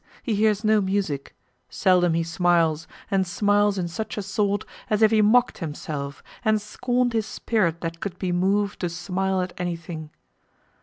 he hears no music; Seldom he smiles; and smiles in such a sort, As if he mock'd himself, and scorn'd his spirit that could be mov'd to smile at anything.